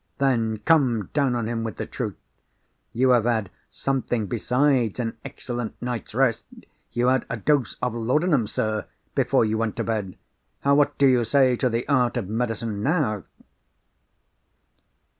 Then, come down on him with the truth! 'You have had something besides an excellent night's rest; you had a dose of laudanum, sir, before you went to bed. What do you say to the art of medicine, now?